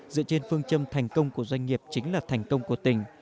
dựa trên phương châm thành công của doanh nghiệp chính là thành công của tỉnh